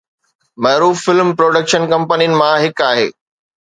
معروف film production ڪمپنين مان هڪ آهي